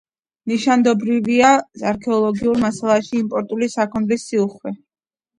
ნიშანდობლივია არქეოლოგიურ მასალაში იმპორტული საქონლის სიუხვე.